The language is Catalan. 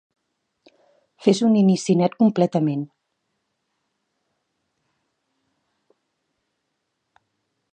Fes un inici net completament.